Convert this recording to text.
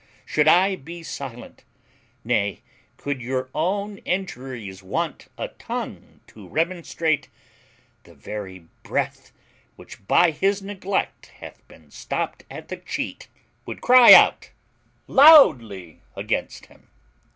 Should I be silent, nay, could your own injuries want a tongue to remonstrate, the very breath which by his neglect hath been stopped at the cheat would cry out loudly against him.